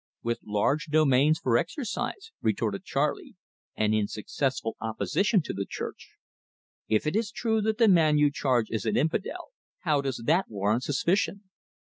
"With large domains for exercise," retorted Charley, "and in successful opposition to the Church. If it is true that the man you charge is an infidel, how does that warrant suspicion?"